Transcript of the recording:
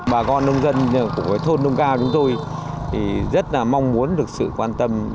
bà con nông dân của thôn đông cao chúng tôi thì rất là mong muốn được sự quan tâm